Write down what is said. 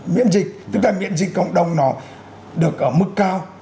miễn dịch tức là miễn dịch cộng đồng nó được ở mức cao